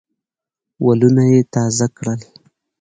ولونه یې تازه کړل.